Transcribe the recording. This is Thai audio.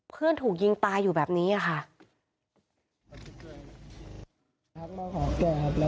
เพื่อนถูกยิงตายอยู่แบบนี้ค่ะ